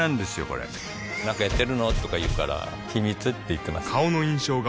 これなんかやってるの？とか言うから秘密って言ってます